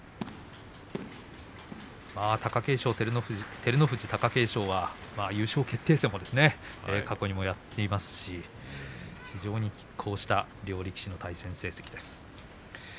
照ノ富士、貴景勝は優勝決定戦も過去にもやっていますし非常にきっ抗した両力士の対戦成績です。